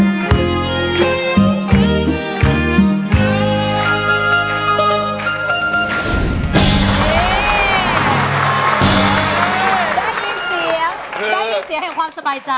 ได้มีเสียงให้ความสบายใจ